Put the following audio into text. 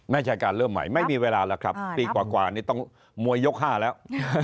ไม่ใช่การเริ่มใหม่ไม่มีเวลาแล้วครับปีกว่ากว่านี้ต้องมวยยกห้าแล้ว